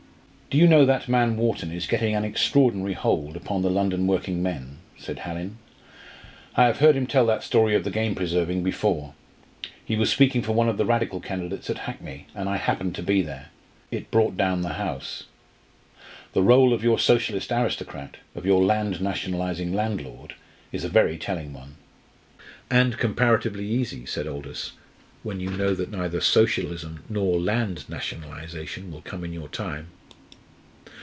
"Do you know that man Wharton is getting an extraordinary hold upon the London working men?" said Hallin. "I have heard him tell that story of the game preserving before. He was speaking for one of the Radical candidates at Hackney, and I happened to be there. It brought down the house. The rôle of your Socialist aristocrat, of your land nationalising landlord, is a very telling one." "And comparatively easy," said Aldous, "when you know that neither Socialism nor land nationalisation will come in your time!"